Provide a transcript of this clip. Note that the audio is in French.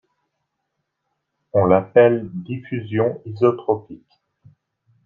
On l'appelle diffusion isotropique.